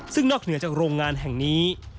ซึ่งนอกเหนือจากโรงงานแห่งนี้